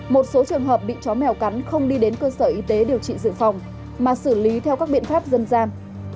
một số trường hợp bị chó mèo cắn không đi đến cơ sở y tế điều trị dự phòng mà xử lý theo các biện pháp dân gian